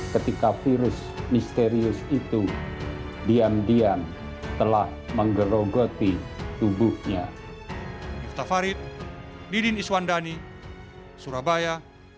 ketika virus misterius itu diam diam telah menggerogoti tubuhnya